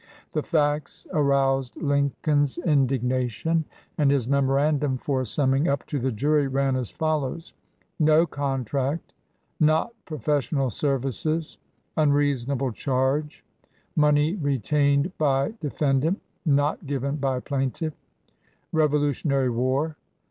The facts aroused Lincoln's 215 LINCOLN THE LAWYER indignation, and his memorandum for summing up to the jury ran as follows: "No contract. Not professional services. Unreasonable charge. Money retained by defendant— not given by plaintiff. Revolutionary War.